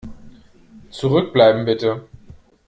Zurückbleiben, bitte!